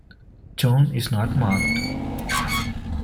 Tone is not marked.